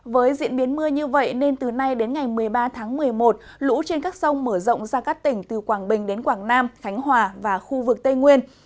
với diễn biến mưa như vậy nên từ nay đến ngày một mươi ba tháng một mươi một lũ trên các sông mở rộng ra các tỉnh từ quảng bình đến quảng nam khánh hòa và khu vực tây nguyên